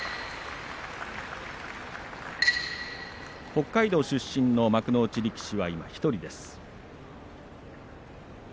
北海道出身の幕内力士は今１人です。